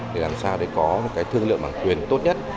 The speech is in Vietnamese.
để làm sao để có một cái thương lượng bản quyền tốt nhất